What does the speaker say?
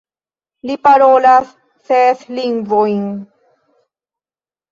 Li parolas ses lingvojn.